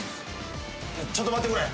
ちょっと待ってくれ。